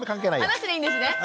あなしでいいんですね。